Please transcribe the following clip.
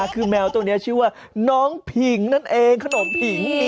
คือแมวตัวนี้ชื่อว่าน้องผิงนั่นเองขนมผิง